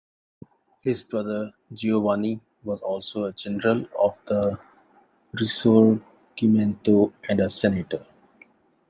His brother Giovanni was also a general of the Risorgimento and a senator.